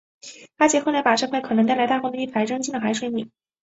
阿杰后来把这块可能带来大祸的玉牌扔进了海水里。